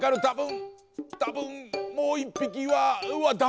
たぶんもう１ぴきはうわっダメだ。